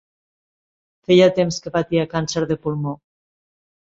Feia temps que patia càncer de pulmó.